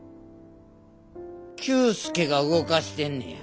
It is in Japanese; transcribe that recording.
久助が動かしてんねや。